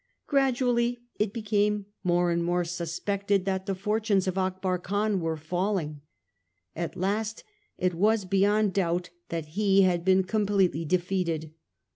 Gradually it became more and more suspected that the fortunes of Akbar Khan were falling. At last it was beyond doubt that he had been completely defeated.